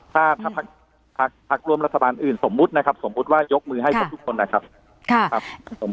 ถ้าพรรคร่วมรัฐบาลอื่นสมมุติว่ายกมือให้กับทุกคน